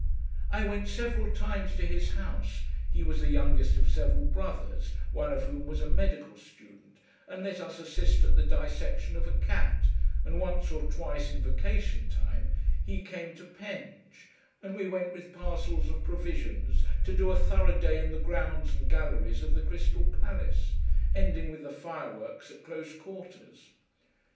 I went several times to his house, he was the youngest of several brothers, one of whom was a medical student and let us assist at the dissection of a cat, and once or twice in vacation time he came to Penge, and we went with parcels of provisions to do a thorough day in the grounds and galleries of the Crystal Palace, ending with the fireworks at close quarters.